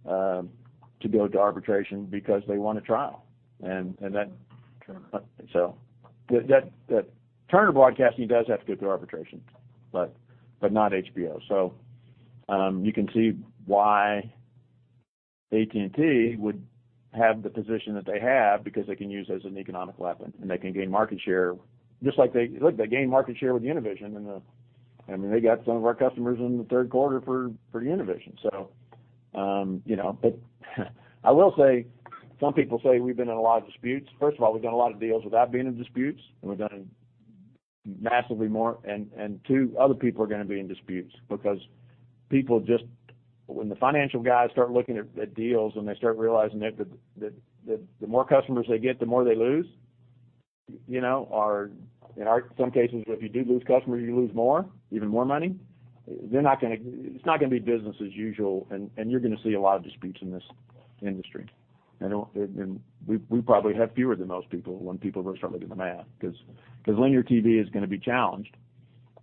to go to arbitration because they want a trial. Turner. That Turner Broadcasting does have to go through arbitration, but not HBO. You can see why AT&T would have the position that they have because they can use it as an economic weapon, and they can gain market share just like they gained market share with Univision and the I mean, they got some of our customers in the third quarter for Univision. You know. I will say some people say we've been in a lot of disputes. First of all, we've done a lot of deals without being in disputes, and we've done massively more. Two, other people are going to be in disputes because people just when the financial guys start looking at deals and they start realizing that the more customers they get, the more they lose, you know, or some cases where if you do lose customers, you lose more, even more money. It's not going to be business as usual, and you're going to see a lot of disputes in this industry. We probably have fewer than most people when people really start looking at the math because linear TV is going to be challenged,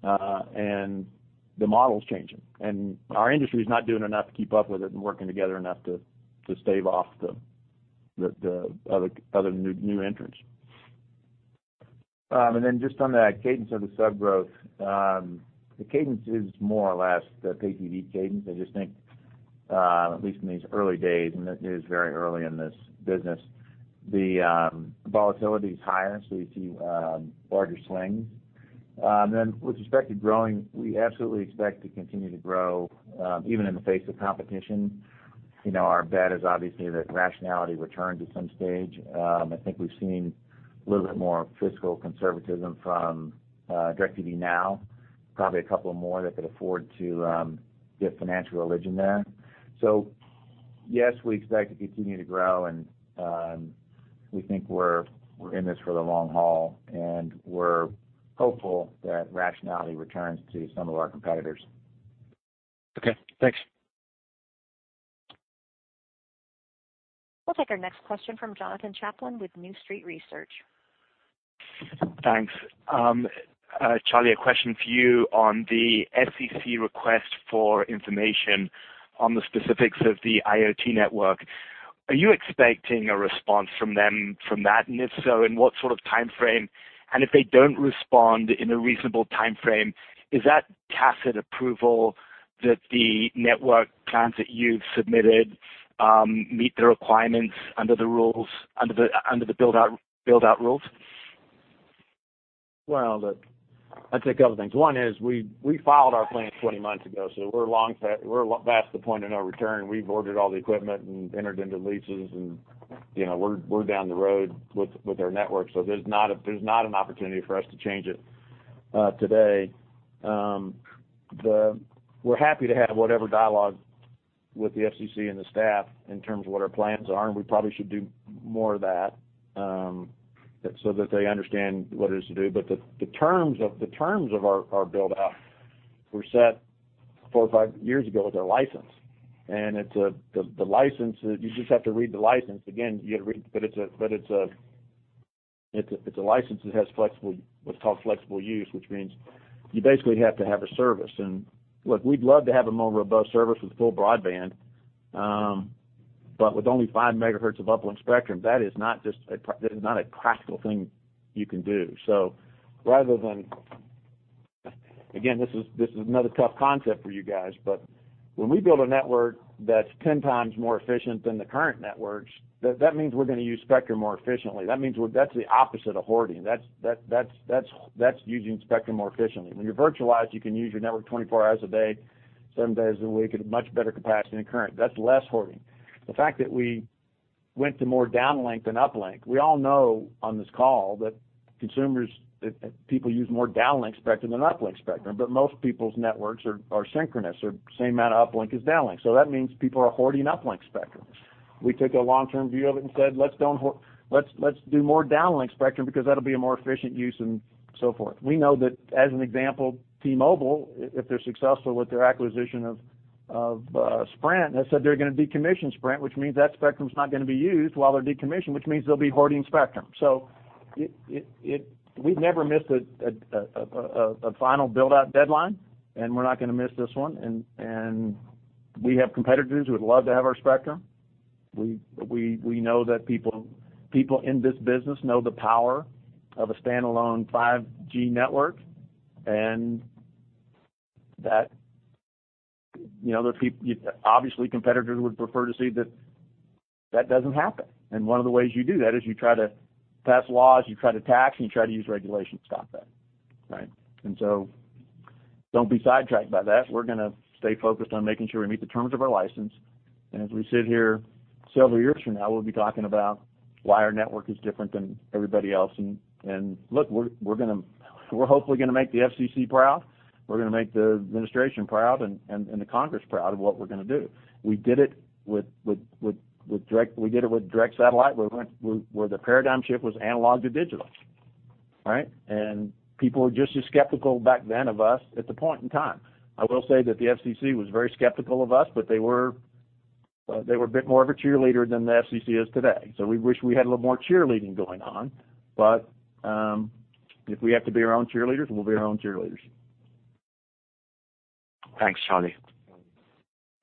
and the model is changing. Our industry is not doing enough to keep up with it and working together enough to stave off the other new entrants. Just on that cadence of the sub-growth. The cadence is more or less the pay TV cadence. I just think, at least in these early days, and it is very early in this business, the volatility is higher, you see larger swings. With respect to growing, we absolutely expect to continue to grow, even in the face of competition. You know, our bet is obviously that rationality returns at some stage. I think we've seen a little bit more fiscal conservatism from DIRECTV NOW, probably a couple more that could afford to get financial religion there. Yes, we expect to continue to grow, we think we're in this for the long haul, we're hopeful that rationality returns to some of our competitors. Okay, thanks. We'll take our next question from Jonathan Chaplin with New Street Research. Thanks. Charlie, a question for you on the FCC request for information on the specifics of the IoT network. Are you expecting a response from them from that? If so, in what sort of timeframe? If they don't respond in a reasonable timeframe, is that tacit approval that the network plans that you've submitted, meet the requirements under the rules, under the build-out rules? Well, look, I'd say a couple things. One is we filed our plans 20 months ago, we're long past the point of no return. We've ordered all the equipment and entered into leases and, you know, we're down the road with our network. There's not an opportunity for us to change it today. We're happy to have whatever dialogue with the FCC and the staff in terms of what our plans are, we probably should do more of that so that they understand what it is to do. The terms of our build-out were set four or five years ago with our license. The license, you just have to read the license. You gotta read. It's a license that has flexible, what's called flexible use, which means you basically have to have a service. Look, we'd love to have a more robust service with full broadband, but with only 5 MHz of uplink spectrum, that is not a practical thing you can do. Rather than, again, this is another tough concept for you guys, when we build a network that's 10 times more efficient than the current networks, that means we're gonna use spectrum more efficiently. That means that's the opposite of hoarding. That's using spectrum more efficiently. When you're virtualized, you can use your network 24 hours a day, seven days a week at a much better capacity than current. That's less hoarding. The fact that we went to more downlink than uplink, we all know on this call that consumers, that people use more downlink spectrum than uplink spectrum, but most people's networks are synchronous or same amount of uplink as downlink. That means people are hoarding uplink spectrum. We took a long-term view of it and said, "Let's don't hoard. Let's do more downlink spectrum because that'll be a more efficient use and so forth." We know that, as an example, T-Mobile, if they're successful with their acquisition of Sprint, they said they're gonna decommission Sprint, which means that spectrum's not gonna be used while they're decommissioned, which means they'll be hoarding spectrum. We've never missed a final build-out deadline, and we're not gonna miss this one. We have competitors who would love to have our spectrum. We know that people in this business know the power of a standalone 5G network, that, you know, obviously, competitors would prefer to see that that doesn't happen. One of the ways you do that is you try to pass laws, you try to tax, and you try to use regulation to stop that, right? Don't be sidetracked by that. We're gonna stay focused on making sure we meet the terms of our license. As we sit here several years from now, we'll be talking about why our network is different than everybody else. Look, we're hopefully gonna make the FCC proud. We're gonna make the administration proud and the Congress proud of what we're gonna do. We did it with direct satellite, where the paradigm shift was analog to digital, right? People were just as skeptical back then of us at the point in time. I will say that the FCC was very skeptical of us, but they were a bit more of a cheerleader than the FCC is today. We wish we had a little more cheerleading going on. If we have to be our own cheerleaders, we'll be our own cheerleaders. Thanks, Charlie.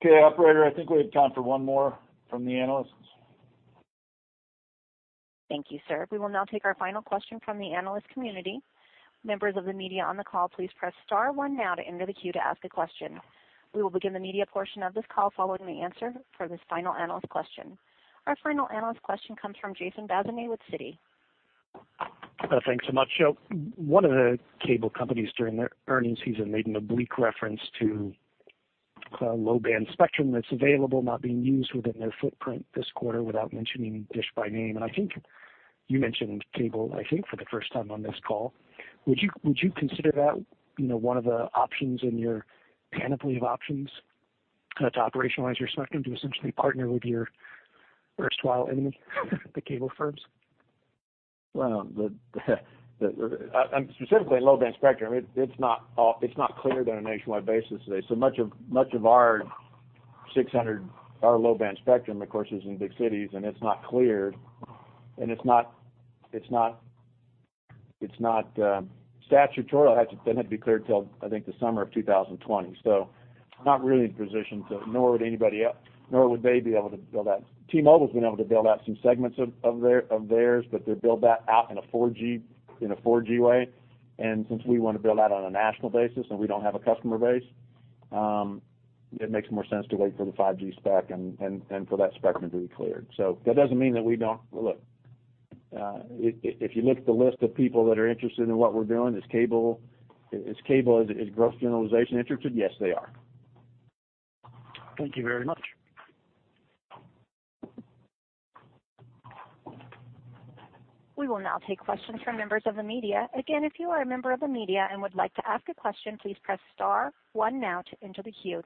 Okay. Operator, I think we have time for one more from the analysts. Thank you, sir. We will now take our final question from the analyst community. Members of the media on the call, please press star one now to enter the queue to ask a question. We will begin the media portion of this call following the answer for this final analyst question. Our final analyst question comes from Jason Bazinet with Citi. Thanks so much. One of the cable companies during their earnings season made an oblique reference to low-band spectrum that's available not being used within their footprint this quarter without mentioning DISH by name. I think you mentioned cable for the first time on this call. Would you consider that, you know, one of the options in your panoply of options to operationalize your spectrum to essentially partner with your erstwhile enemy, the cable firms? The, the, specifically in low-band spectrum, it's not cleared on a nationwide basis today. Much of, much of our 600, our low-band spectrum, of course, is in big cities, and it's not cleared, and it's not statutory. It doesn't have to be cleared till, I think, the summer of 2020. We're not really in a position to, nor would anybody nor would they be able to build out. T-Mobile's been able to build out some segments of their, of theirs, but they build that out in a 4G, in a 4G way. Since we wanna build out on a national basis and we don't have a customer base, it makes more sense to wait for the 5G spec and for that spectrum to be cleared. That doesn't mean that we don't. If you look at the list of people that are interested in what we're doing, is cable, as a gross generalization, interested? Yes, they are. Thank you very much. We will now take questions from members of the media. Again, if you are a member of the media and would like to ask a question, please press star one now to enter the queue.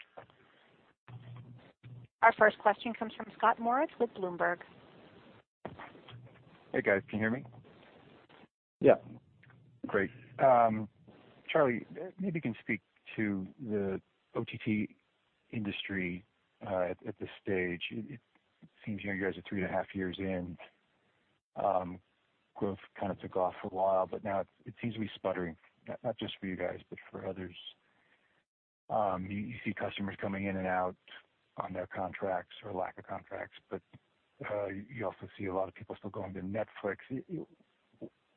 Our first question comes from Scott Moritz with Bloomberg. Hey, guys. Can you hear me? Yeah. Great. Charlie, maybe you can speak to the OTT industry at this stage. It seems, you know, you guys are 3.5 years in. Growth kind of took off for a while, but now it seems to be sputtering, not just for you guys, but for others. You see customers coming in and out on their contracts or lack of contracts, but you also see a lot of people still going to Netflix.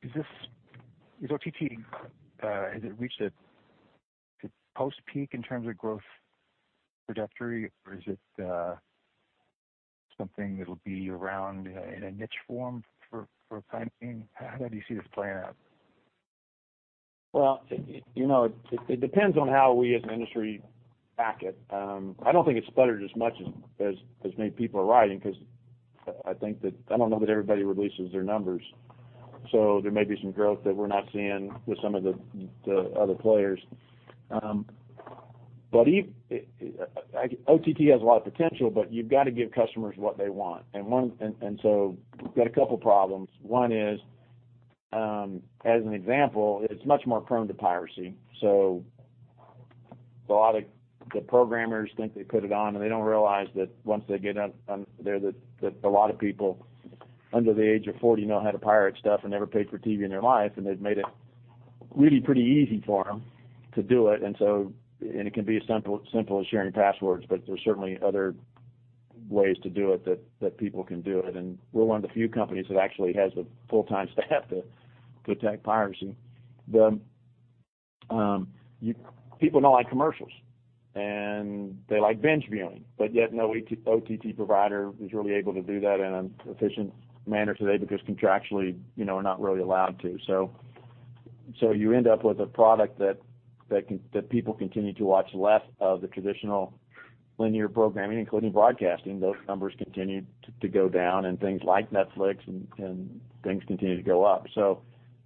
Is OTT has it reached its post-peak in terms of growth trajectory, or is it Something that'll be around in a niche form for a time being? How do you see this playing out? Well, you know, it depends on how we as an industry back it. I don't think it's spluttered as much as many people are writing, 'cause I think that I don't know that everybody releases their numbers. There may be some growth that we're not seeing with some of the other players. OTT has a lot of potential, but you've gotta give customers what they want. We've got a couple problems. One is, as an example, it's much more prone to piracy. A lot of the programmers think they put it on, and they don't realize that once they get on there that a lot of people under the age of 40 know how to pirate stuff and never paid for TV in their life, and they've made it really pretty easy for them to do it. It can be as simple as sharing passwords, but there's certainly other ways to do it that people can do it. We're one of the few companies that actually has the full-time staff to attack piracy. People don't like commercials, and they like binge viewing, but yet no OTT provider is really able to do that in an efficient manner today because contractually, you know, are not really allowed to. You end up with a product that people continue to watch less of the traditional linear programming, including broadcasting. Those numbers continue to go down and things like Netflix and things continue to go up.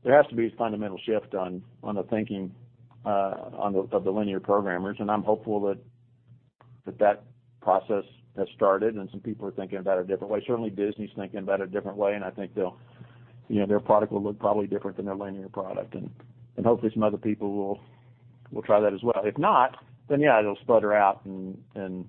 There has to be a fundamental shift on the thinking of the linear programmers. I'm hopeful that that process has started and some people are thinking about it a different way. Certainly, Disney's thinking about it a different way, I think they'll, you know, their product will look probably different than their linear product. Hopefully, some other people will try that as well. If not, then yeah, it'll sputter out and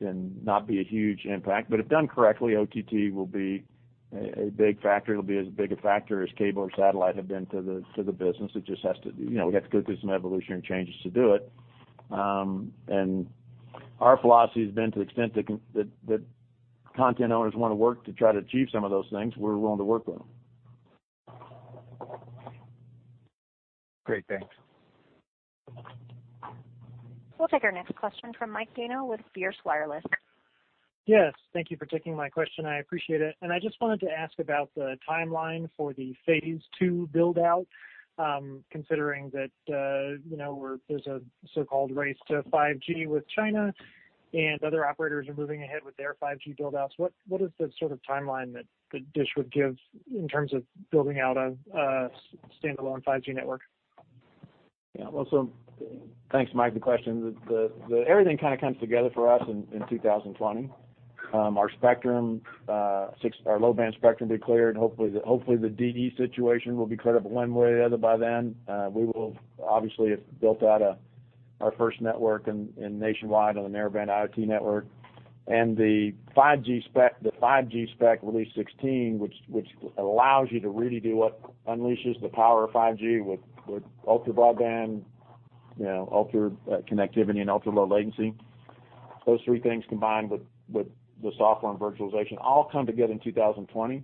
not be a huge impact. If done correctly, OTT will be a big factor. It'll be as big a factor as cable or satellite have been to the, to the business. It just has to, you know, we have to go through some evolutionary changes to do it. Our philosophy has been to the extent that content owners wanna work to try to achieve some of those things, we're willing to work with them. Great. Thanks. We'll take our next question from Mike Dano with FierceWireless. Yes, thank you for taking my question. I appreciate it. I just wanted to ask about the timeline for the phase two build-out, considering that, you know, there's a so-called race to 5G with China and other operators are moving ahead with their 5G build-outs. What is the sort of timeline that DISH would give in terms of building out a standalone 5G network? Thanks, Mike, for the question. The everything kinda comes together for us in 2020. Our spectrum, our low-band spectrum declared, hopefully the DE situation will be credible one way or the other by then. We will obviously have built out our first network nationwide on the Narrowband IoT network. The 5G spec Release 16, which allows you to really do what unleashes the power of 5G with ultra broadband, you know, ultra connectivity and ultra-low latency. Those three things combined with the software and virtualization all come together in 2020.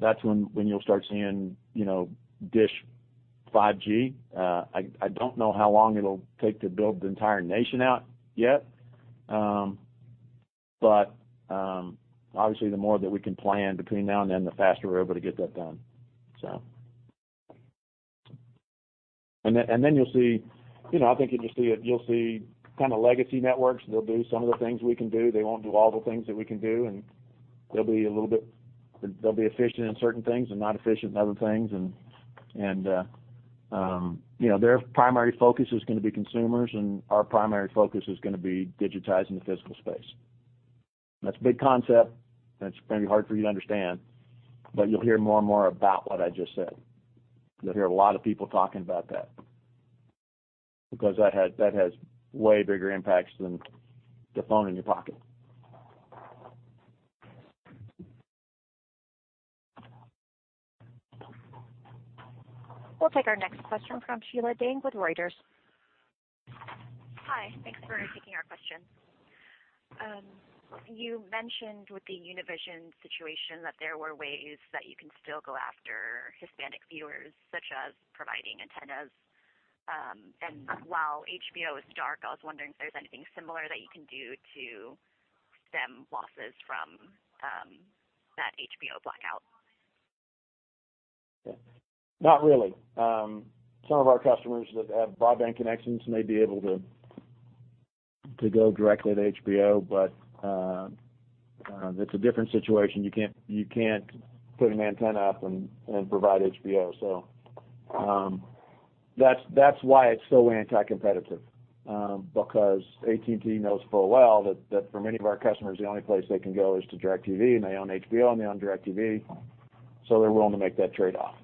That's when you'll start seeing, you know, DISH 5G. I don't know how long it'll take to build the entire nation out yet. But, obviously the more that we can plan between now and then, the faster we're able to get that done. Then, you'll see, you know, I think you'll just see kinda legacy networks. They'll do some of the things we can do. They won't do all the things that we can do, and they'll be efficient in certain things and not efficient in other things. You know, their primary focus is gonna be consumers, and our primary focus is gonna be digitizing the physical space. That's a big concept, and it's gonna be hard for you to understand, but you'll hear more and more about what I just said. You'll hear a lot of people talking about that because that has way bigger impacts than the phone in your pocket. We'll take our next question from Sheila Dang with Reuters. Hi. Thanks for taking our question. You mentioned with the Univision situation that there were ways that you can still go after Hispanic viewers, such as providing antennas. While HBO is dark, I was wondering if there's anything similar that you can do to stem losses from that HBO blackout. Yeah. Not really. Some of our customers that have broadband connections may be able to go directly to HBO. That's a different situation. You can't put an antenna up and provide HBO. That's why it's so anti-competitive, because AT&T knows full well that for many of our customers, the only place they can go is to DIRECTV, and they own HBO, and they own DIRECTV, so they're willing to make that trade-off.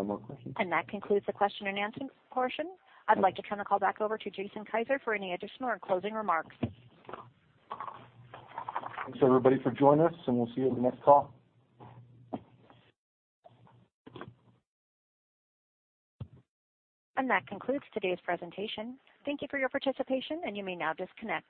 Thank you. One more question. That concludes the question and answer portion. I'd like to turn the call back over to Jason Kiser for any additional or closing remarks. Thanks, everybody, for joining us, and we'll see you in the next call. That concludes today's presentation. Thank you for your participation, and you may now disconnect.